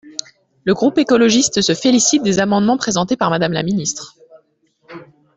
Le groupe écologiste se félicite des amendements présentés par Madame la ministre.